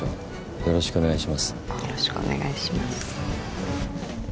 よろしくお願いします。